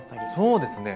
そうですね